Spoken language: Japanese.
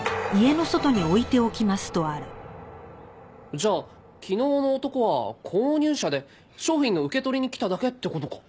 じゃあ昨日の男は購入者で商品の受け取りに来ただけって事か。